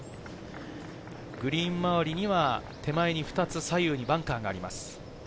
グリーン周りには手前に２つ、左右にバンカーがあります。